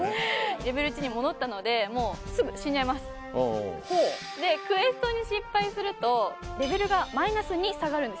レベル１に戻ったのですぐ死んじゃいますああでクエストに失敗するとレベルがマイナス２下がるんですよ